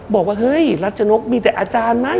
บอกว่าเฮ้ยรัชนกมีแต่อาจารย์มั้